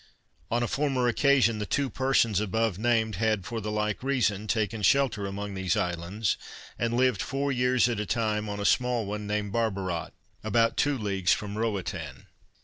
On a former occasion, the two persons above named, had for the like reason, taken shelter among these islands, and lived four years at a time on a small one, named Barbarat, about two leagues from Roatan.